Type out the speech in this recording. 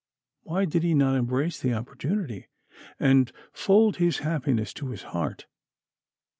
Why did he not embrace the opportunity, and fold his happiness to his heart?